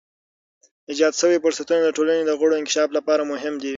ایجاد شوی فرصتونه د ټولنې د غړو انکشاف لپاره مهم دي.